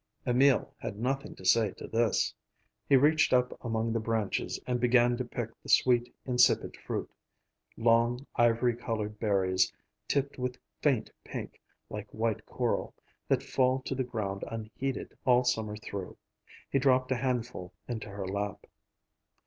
Emil had nothing to say to this. He reached up among the branches and began to pick the sweet, insipid fruit,—long ivory colored berries, tipped with faint pink, like white coral, that fall to the ground unheeded all summer through. He dropped a handful into her lap.